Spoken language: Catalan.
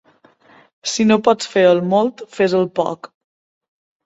Si no pots fer el molt, fes el poc.